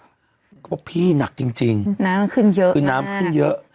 เหนือกว่าพี่หนักจริงน้ำคืนเยอะ